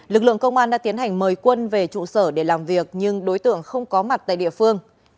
lực lượng công an đã tiến hành mời quân về trụ sở để làm việc nhưng đối tượng không có mặt tại địa phương